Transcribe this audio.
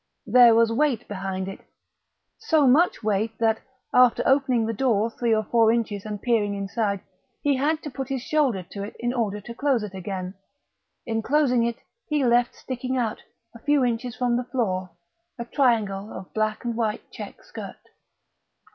There was weight behind it, so much weight that, after opening the door three or four inches and peering inside, he had to put his shoulder to it in order to close it again. In closing it he left sticking out, a few inches from the floor, a triangle of black and white check skirt.